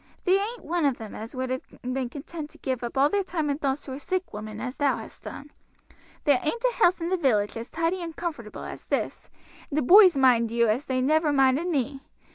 There ain't one of them as would have been content to give up all their time and thoughts to a sick woman as thou hast done. There ain't a house in the village as tidy and comfortable as this, and the boys mind you as they never minded me.